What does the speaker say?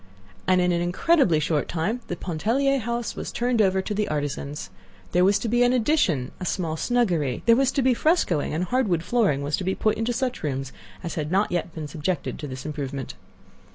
And in an incredibly short time the Pontellier house was turned over to the artisans. There was to be an addition—a small snuggery; there was to be frescoing, and hardwood flooring was to be put into such rooms as had not yet been subjected to this improvement.